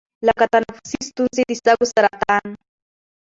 لـکه تنفـسي سـتونـزې، د سـږوسـرطـان،